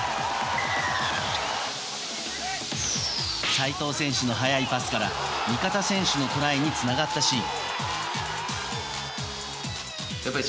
齋藤選手の速いパスから味方選手にトライにつながったシーン。